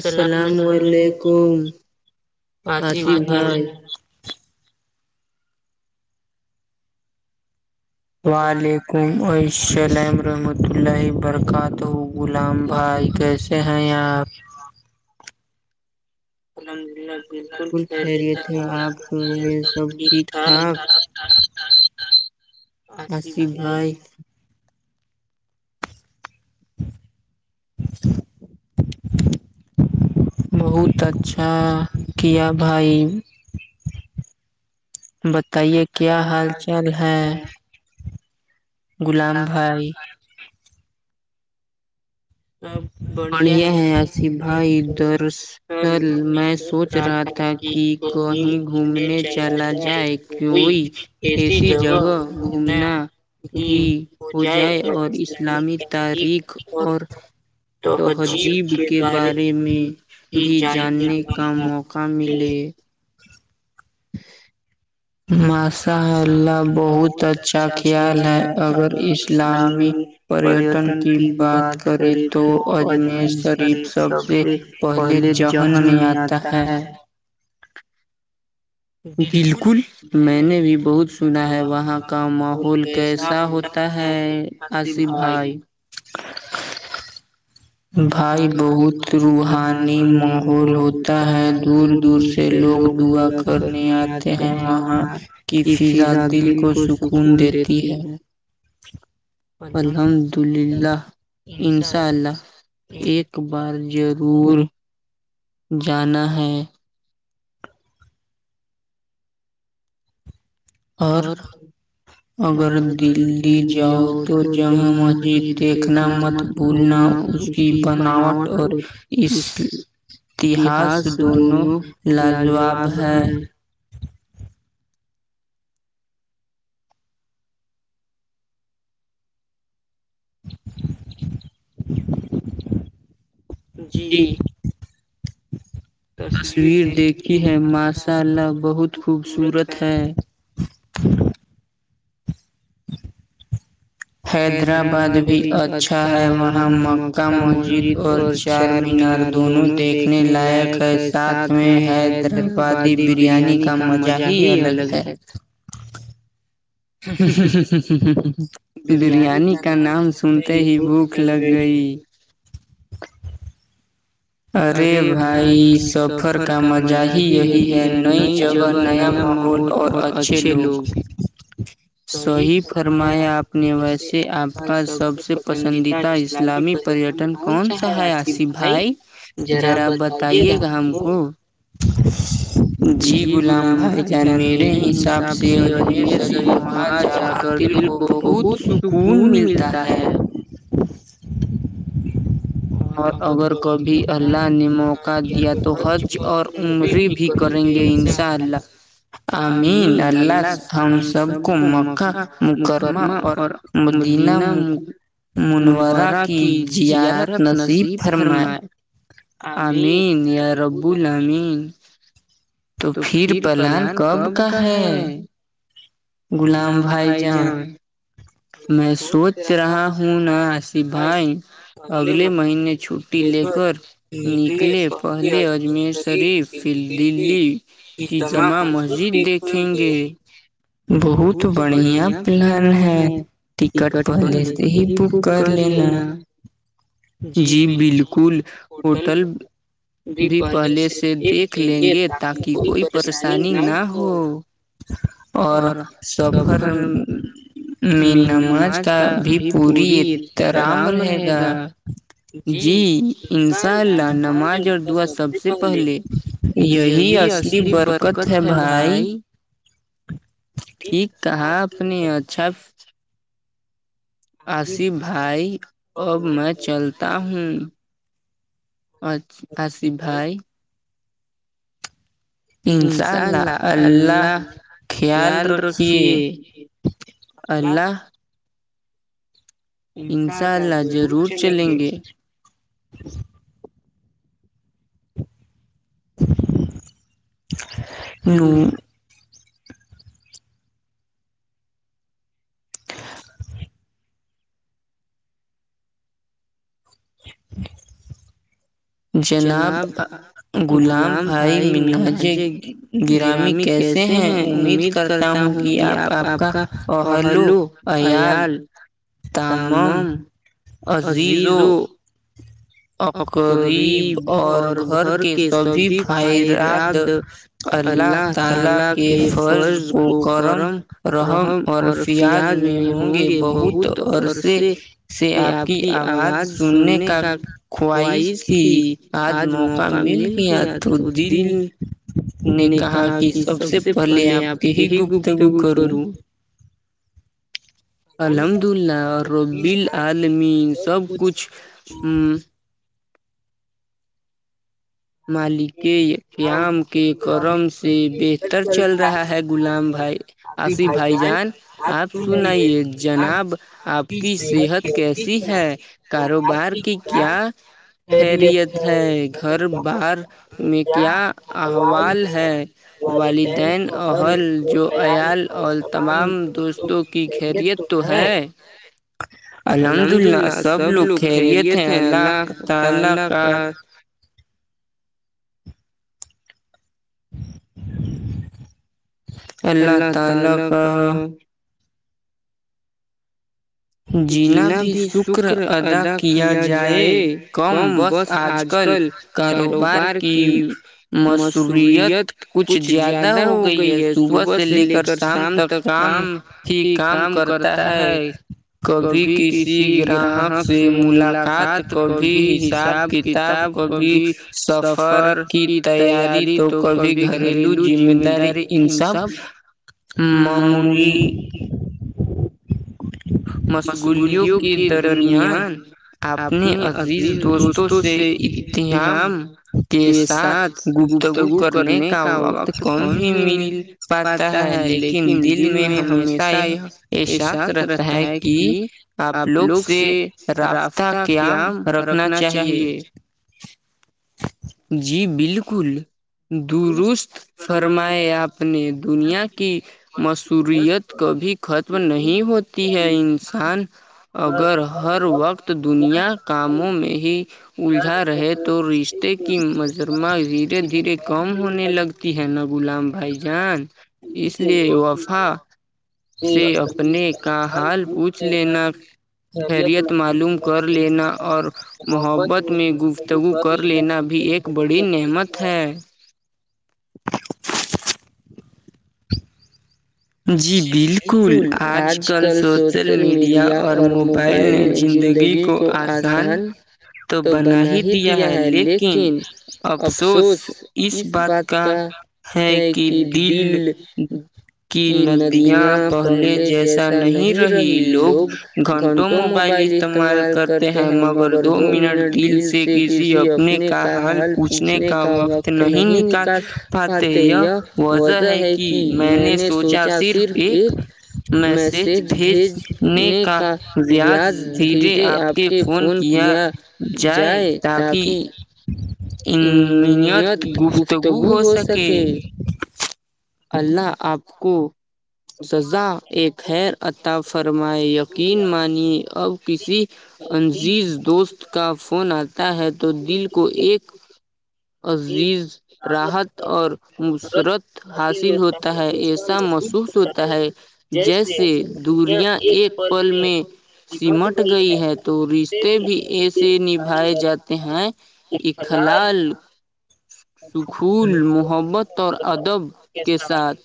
السلام علیکم آصف بھائی والد م ع السلام رحمۃہ اللہ برکات ہو غلام بھائی کے کہ ہیں آپ الحمد للہ بالکل لیتے آپ یہ س ٹھیک ٹھاک خچ خچ خ ہاصی بھائی ا بہت اچھا کیا بھائی بتائیے کیا حال چال ہے لام بھائی پڑھیا ہےیاسی بھائی دراصل میں سوچ رہا تھا کہ کہیں گھومنے چلا جائے کوئی ایسی جگہ گھومنا بھی ہو جائے اور اسلامی تاریخ اور توہجیب کے بارے میں بھی جاننے کا موقع ملے [inaudible] ماسا اللہ بہت اچھا خیال ہے اگر اسلامی پریٹن کی بات کرے تو اجمیر شریف سب سے پہلے جہن میں آتا ہے بالکل میں نے بھی بہت سنا ہے وہاں کا ماحول کیسا ہوتا تا ہے آصم بھائی بھائی بہت روحانی ماحول ہوتا ہے دور دور سے لوگ دعا کرنے آتے ہیں وہاں کی فضا دل کو سکھ خون دیتی ہے الحمد للہ انشاء اللہ ایک بار ضرور جانا ہے اور اگر دلی جاؤ تو جگع مسجد دیکھنا مت بولنا اس کی بناوٹ اور اس یہہس دونوں لاجواب ہیں جی تصویر دیکھی ہے ماسء ال بہت خوبصورت ہے حیدر آباد بھی اچھا ہے وہاں مکہ مسجد اور چار مینار دونوں دیکھنے لائق ہے ساتھ میں حیدرآباد بادی بریانی کا مزہ ہی الگ ہے بریانی کا نام سنتے ہی بھوک لگ گئی ارے بھائی سفر کا مزہ ہی یہی ہے نئی جگہ نیا ماحول اور اور اچھے لوگ صحیح فرمایا آپ نے ویسے آپ کا سب سے پسندیدہ اسلامی پریٹن کون سا ہےیاسیی بھائی ذرا بتائیے گا ہم کو [inaudible] جی غلام بھائی جان میرے حساب سے اجمیر شریف وہاں جا کر دل کو کو بہت سکون ملتا ہے [inaudible] اور اگر کبھی اللہ نے موقع دیا تو حج اور عمری بھی کریں گے ان شاء اللہ آمین اللہ ہم سب کو مکہ مکرمہ اور مدینہ منورا کی زیارت نصیب فرمائے آمین یا رب المین تو پھر پلان کب کا ہے گلام بھائی جان میں سوچ رہا ہوں ناصف بھائی اگلے مہینے چھٹی لے کر نکلے پہل اجمیر شریف دلی کی جمع مسجد دیکھیں گے بہت بڑھیا پلان ہے ٹکٹ پہلے سے ہی بک کر لینا جی بالکل ہوٹل بھی پہلے سے دیکھ لیں گے تاکہ کوئی پریشانی نہ ہو [inaudible] اور سفھر میں نماز کا بھی پوری احترام رہے گا جی انشاء اللہ نماز اور دعا سب سے پہلے یہی اصلی برکت ہے بھائی ٹھیک کہاں اپ نے اچھا آصف بھائی اب میں چلتا ہوں اور حشی بھائی انشاء اللہ اللہ خیال رکھیے اللہ انشاء اللہ ضرور چلیں گے ہ [inaudible] جناب غلام بھائی مناج گرامی کیسے ہیں امید کرتا ہوں گی آپ آپ کا پلو عیال تمم عزیزوں اقر اور گھر کے سبھی فائراد اللہ تالا کے فرض کو کرم رحم اور فیاض میں ہوں گے بہت عے سے آپ کی آواز سننے کا خواہش تھی آج موقع مل گیا تو دل نے کہا کہ سب سے پہلے آپ کے ہی گفتگو کروں الحمد للہ ربی العالمین سب کچھ مالک یا قیام کے کرم سے بہتر چل رہا ہے غلام بھائی آصف بھائی جان آپ سنائیے جناب آپ کی صحت کیسی ہے کاروبار کی کیا خیریت ہے گھر بار میں کیا احوال ہے والدین اہل جو ایال اور تمام دوستوں کی خیریت تو ہیں الحمد للہ سب لوگ خیریت ہیں اللہ تعال کا اللہتا ال ل کا جنا بھی شکر ادا کیا جائے کم بس آج کل کاروبار کی مشورت کچھ زیادہ ہو گئی ہے صبح سے لے کر شام تک کام ہی کام کرتا ہے کبھی کسی گراہک سے ملاقات کبھی حساب کتاب کبھی سفر کی تیاری تو کبھی گھریلو ذمہ داری ان سب مرلی مشغولیوں کے درمیان آپنے عزیز دوستوں سے اتعام کے ساتھ گفتگو کرنے کا وقت کم ہی مل پاتا ہے لیکن دل میں ہمیشہ یہ احساس رہتا ہے کہ کہ آپ لوگ سے رابطہ قیام رکھنا چاہیے جی بالکل درست فرمائے آپ نے دنیا کی مشہورت کبھی ختم نہیں ہوتی ہے انسان اگر ہر وقت دنیا کاموں میں ہی الجھا رہے تو رشتے کی مجرمہ دھیرے دھیرے کم ہونے لگتی ہے نا غلام بھائی جان اس لیے وفا سے اپنے کا حال پوچھ لینا خیریت معلوم کر لینا اور محبت میں گفتگو کر لینا بھی ایک بڑی نعمت ہے جی بالکل آج کل سوشل میڈیا اور موبائل نے زندگی کو آسان تو بنا ہی دیا ہے لیکن افسوس اس بات کا ہے کہ دل کہ ندیاں پہلے جیسا نہیں رہی لوگ گھنٹوں موبائل استعمال سمایل کرتے ہیں مگر دو منٹ دل سے کسی اپنے کا حال پوچھنے کا وقت نہیں نکال پاتے یہ وجہ ہے کہ میں نے سو نہ صرف ایک میسج بھیجنے کا یا سیدے آپ کے فون کیا جائے تاک انیات گفتگو ہو س وہ غلط کطپے اللہ آپ کو سزا ایک خیر عط فرمائے یقین مانیے اب کسی عزیز دوست کا فون آتا ہے تو دل کو ایک عزیز راحت اور مسرت حاصل ہوتا ہے ایسا محسوس ہوتا ہے جیسے دوریاں ایک پل میں سمٹ گئی ہے تو رشتے بھی ایسے نبھائے جاتے ہیں اخلاال بخول محبت اور ادب کے ساتھ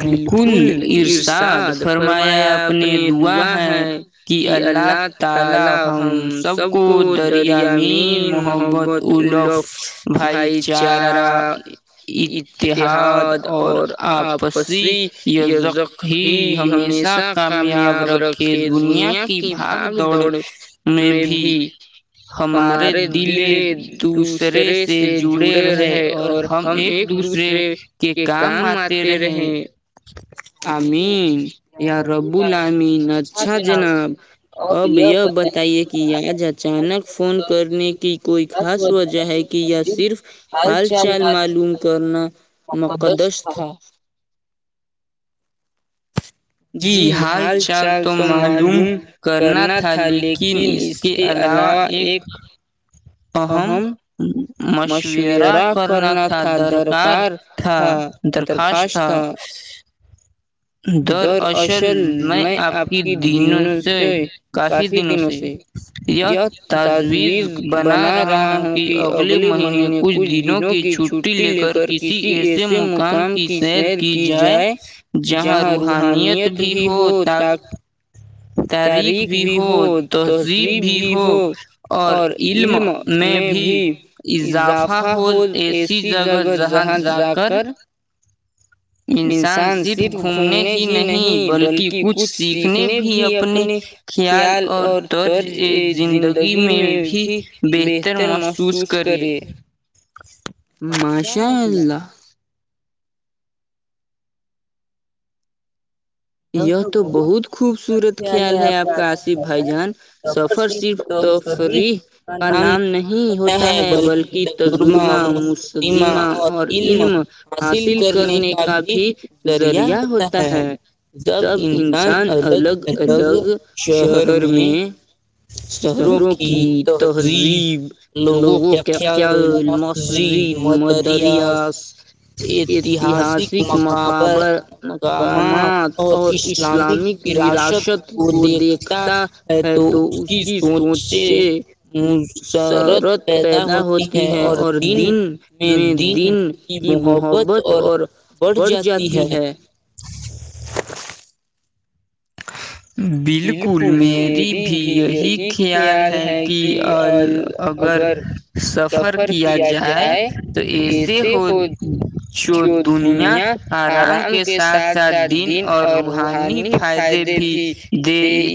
بالکل ارشاد فرمایا آپ نے دعا ہے کہ اللہ تعالی ہم سب کو دریا مین محبت الہف بھائی چارا اتحاد اور آپس سی یا زخی ہمیشہ کامیاب رکھے دنیا کے بھاگ دوڑ میں بھی ہمارے دل ایک دوسرے سے جڑے رہے اور ہم ایک دوسرے کے کام آتے رہے آمین یا رب العالمین اچھا جناب اب یہ بتائیے کہ آج اچانک فون کرنے کی کوئی خاص وجہ ہے کہ یہ صرف حال چال معلوم کرنا مقدس تھا جی حال چال تو معلوم کرنا تھا لیکن اس کہ علاوہ ایک آ ہم مشورہ کرنا تھا درکار تھا درخواست تھا در اصل میں آپ کی دنوں سے کافی دنوں سے یا تجویز بنا رہا ہوں کہ اگلے مہینے کچھ دنوں کی چھٹی لے کر کسی ایسے مقام کی سیر کی جائے جہاں روحانیت بھی ہو تا کہ تاریخ بھی ہو تہذیب بھی ہو اور علم میں بھی اضافہ ہو ایسی جگہ جہاں جا کر [inaudible] انسان صرف گھومنے ہی نہیں بلکہ کچھ سیکھنے بھی اپنے خیال اور طرج زندگی میں بھی بہتر محسوس کرے ماشاء اللہ یہ تو بہت خوبصورت خیال ہے آپ کا آصف بھائی جان سفر صرف تو فریح کا نام نہیں ہوتا ہے بلکہ تجرمہ م دما اور علم حاصل کرنے کا بھی ذریعہ ہوتا ہے جب انسان الگ الگ شہر میں شہروں کی تہذیب لوگوں کے خیال مو مسجد مدریاس اتہاسک م مقامات اور اسلامک وراثت کو دیکھتا ہے تو اس کی سوچ سے شرت پیدا ہوتی ہے اور دن میں دن کی محبت اور بڑھ جاتی ہے بالکل میری بھی یہی خیال ہے کہ اگر سفر کیا جائے تو ایسے ہو جوو دنیا آرام کے ساتھ ساتھ دن اور روحانی قائدے بھی دے